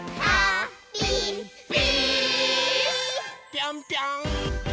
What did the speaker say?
ぴょんぴょん！